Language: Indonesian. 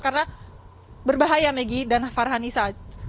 karena berbahaya maggie dan farhan nisa